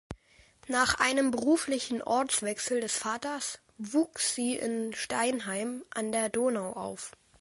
Nach einem beruflichen Ortswechsel des Vaters wuchs sie in Steinheim an der Donau auf.